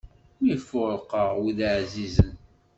Mi fuṛqeɣ wid ɛzizen.